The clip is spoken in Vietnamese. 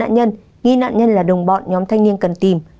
nghi nạn nhân là đồng bọn nhóm thanh niên cần tìm